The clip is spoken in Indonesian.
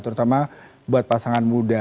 terutama buat pasangan muda